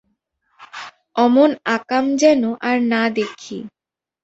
অমন আকাম যেন আর না দেখি।